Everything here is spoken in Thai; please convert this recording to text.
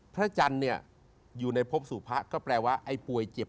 พระจันทร์เนี่ยอยู่ในพบสู่พระก็แปลว่าไอ้ป่วยเจ็บ